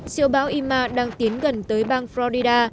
siêu bão ima đang tiến gần tới bang florida